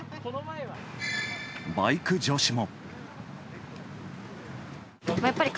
バイク女子も。